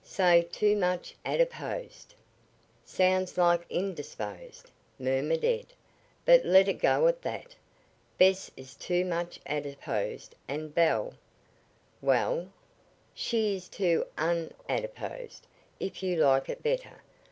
Say too much adiposed." "Sounds like indisposed," murmured Ed; "but let it go at that. Bess is too much adiposed, and Belle " "Well?" "She is too un adiposed, if you like it better.